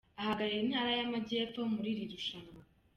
Ahagarariye intara y’Amajyepfo muri iri rushanwa.